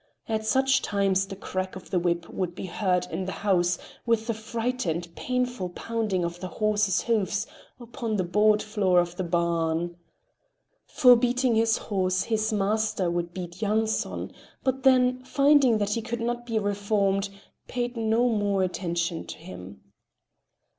At such times the crack of the whip could be heard in the house, with the frightened, painful pounding of the horse's hoofs upon the board floor of the barn. For beating the horse his master would beat Yanson, but then, finding that he could not be reformed, paid no more attention to him.